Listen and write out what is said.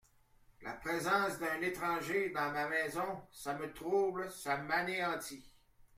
La présence d’un étranger dans ma maison… ça me trouble… ça m’anéantit…